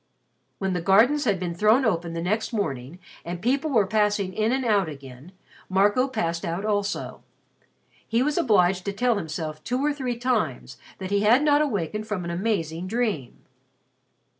When the gardens had been thrown open the next morning and people were passing in and out again, Marco passed out also. He was obliged to tell himself two or three times that he had not wakened from an amazing dream.